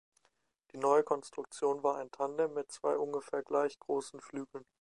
Die neue Konstruktion war ein Tandem mit zwei ungefähr gleich großen Flügeln.